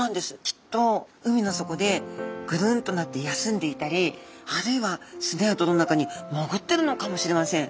きっと海の底でぐるんとなって休んでいたりあるいは砂や泥の中にもぐってるのかもしれません。